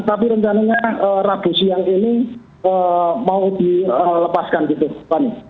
tapi rencananya rabu siang ini mau dilepaskan gitu fani